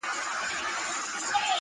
مخ که مي کعبې، که بتخاتې ته اړولی دی !.